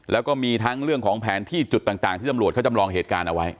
แล้วก็มีทั้งเรื่องของแผนที่จุดต่างที่ตำรวจเขาจำลองเหตุการณ์เอาไว้